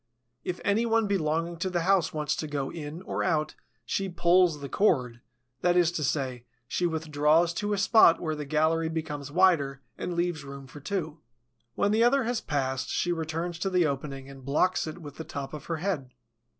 If any one belonging to the house wants to go in or out, she "pulls the cord," that is to say, she withdraws to a spot where the gallery becomes wider and leaves room for two. When the other has passed she returns to the opening and blocks it with the top of her head.